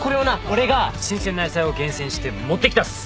俺が新鮮な野菜を厳選して持ってきたっす！